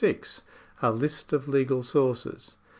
A List of Lesal Sources.